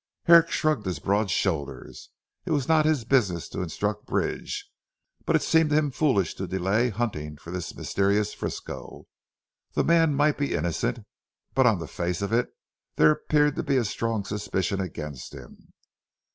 Herrick shrugged his broad shoulders. It was not his business to instruct Bridge, but it seemed to him foolish to delay hunting for this mysterious Frisco. The man might be innocent, but on the face of it there appeared to be a strong suspicion against him.